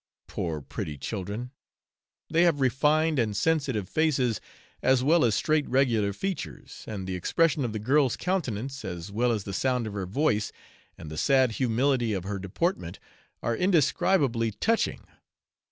Poor pretty children! they have refined and sensitive faces as well as straight regular features; and the expression of the girl's countenance, as well as the sound of her voice, and the sad humility of her deportment, are indescribably touching.